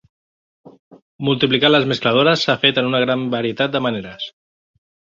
Multiplicar les mescladores s'ha fet en una gran varietat de maneres.